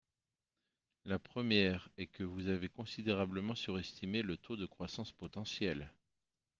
La première est que vous avez considérablement surestimé le taux de croissance potentielle.